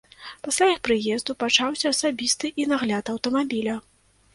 Пасля іх прыезду пачаўся асабісты і надгляд аўтамабіля.